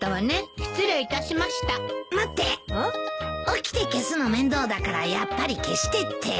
起きて消すの面倒だからやっぱり消してって。